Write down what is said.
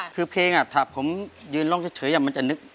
คือเพลงอะถ้าผมเรื่องออกเฉยอาจจะนึก